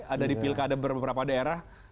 ada di pilkada beberapa daerah